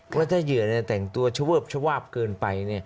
ถ้าเหยื่อแต่งตัวเช่าเวิบเช่าวาบเกินไป